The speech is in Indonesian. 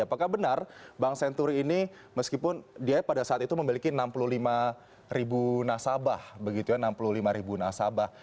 apakah benar bank senturi ini meskipun dia pada saat itu memiliki enam puluh lima ribu nasabah